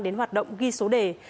đến hoạt động ghi số đề